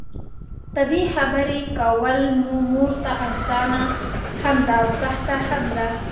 ددې خبري کول مې مورته؛ اسانه هم ده او سخته هم ده.